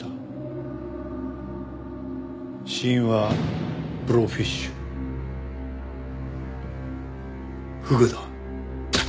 死因はブローフィッシュフグだ。